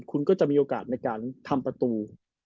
คุณก็จะมีโอกาสในการทำประตู